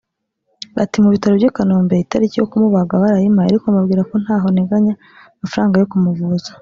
Ati “ Mu bitaro by’i Kanombe itariki yo kumubaga barayimpaye ariko mbabwira ko ntaho nteganya amafaranga yo kumuvuza